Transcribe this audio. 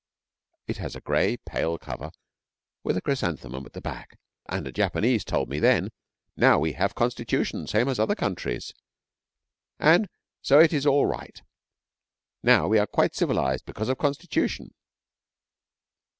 It has a gray, pale cover with a chrysanthemum at the back, and a Japanese told me then, 'Now we have Constitution same as other countries, and so it is all right. Now we are quite civilised because of Constitution.'